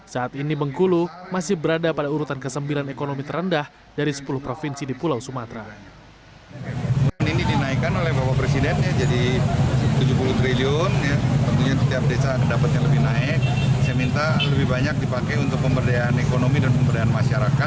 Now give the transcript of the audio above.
saat ini bengkulu masih berada pada urutan ke sembilan ekonomi terendah dari sepuluh provinsi di pulau sumatera